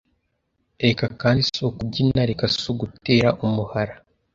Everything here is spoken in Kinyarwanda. reka kandi si ukubyina reka si ugutera umuhara!